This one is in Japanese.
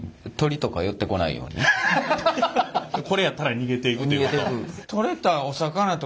これやったら逃げていくっていうこと？